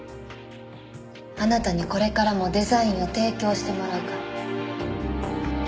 あなたにこれからもデザインを提供してもらうから。